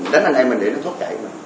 đánh anh em mình để nó thoát chạy